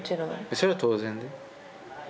それは当然だよ。